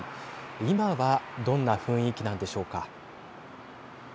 今はどんな雰囲気なんでしょうか。